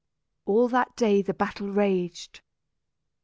All that day the battle raged.